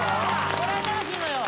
これ新しいのよ